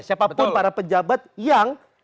siapapun para pejabat yang